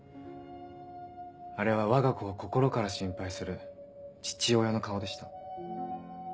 あれはわが子を心から心配する父親の顔でした。